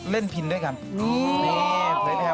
เพราะว่าใจแอบในเจ้า